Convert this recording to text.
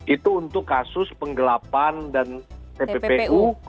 itu untuk kasus penggelapan dan tppu